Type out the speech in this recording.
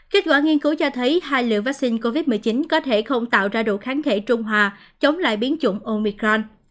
kết quả nghiên cứu cho thấy hai liều vaccine covid một mươi chín có thể không tạo ra độ kháng thể trung hòa chống lại biến chủng omicran